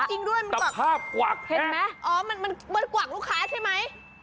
จริงด้วยตะภาพกวักแทบอ๋อมันกวักลูกค้าใช่ไหม